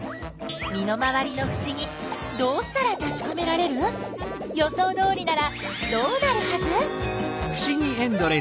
身の回りのふしぎどうしたらたしかめられる？予想どおりならどうなるはず？